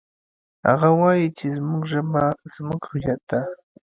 هغه وایي چې زموږ ژبه زموږ هویت ده